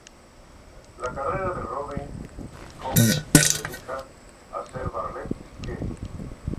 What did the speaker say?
La carrera de Robyn Hitchcock se dedica a ser Barrett-esque.